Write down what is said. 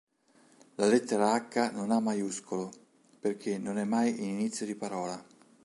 La lettera ң non ha maiuscolo, perché non è mai in inizio di parola.